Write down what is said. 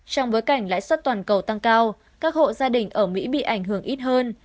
trong bối cảnh lãi suất toàn cầu tăng cao các hộ gia đình ở mỹ bị ảnh hưởng ít hơn